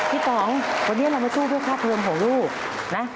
พี่ต้องวันนี้เรามาชู้เพื่อค่าเพิมของลูกนะ